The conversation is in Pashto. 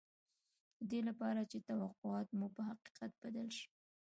د دې لپاره چې توقعات مو په حقیقت بدل شي